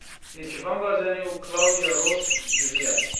Nêçîrvan Barzanî û Claudia Roth civiyan.